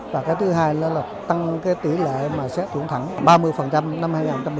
và cái thứ hai là tăng tỷ lệ xét tuyển thẳng ba mươi năm hai nghìn một mươi chín